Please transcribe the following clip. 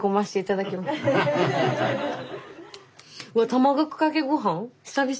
卵かけごはん久々。